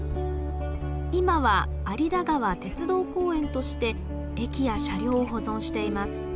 今は有田川鉄道公園として駅や車両を保存しています。